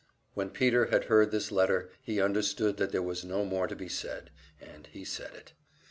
When Peter had heard this letter, he understood that there was no more to be said, and he said it.